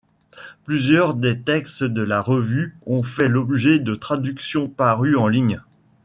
Plusieurs des textes de la revue ont fait l'objet de traductions parues en ligne.